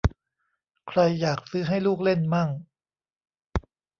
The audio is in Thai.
ใครอยากซื้อให้ลูกเล่นมั่ง